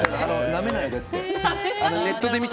舐めないでって。